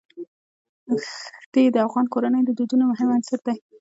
ښتې د افغان کورنیو د دودونو مهم عنصر دی.